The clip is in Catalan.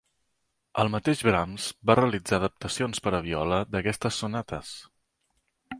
El mateix Brahms va realitzar adaptacions per a viola d'aquestes sonates.